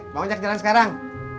bangun cek jalan sekarang